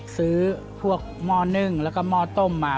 ซื้อพวกหม้อนึ่งแล้วก็หม้อต้มมา